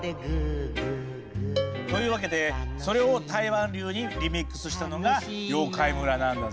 というわけでそれを台湾流にリミックスしたのが妖怪村なんだぜ。